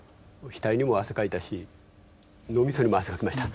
額にも汗かいたし脳みそにも汗かきました。